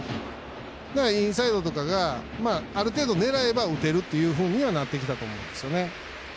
インサイドとかがある程度、狙えば打てるというフォームにはなってきていますね。